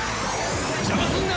邪魔すんな！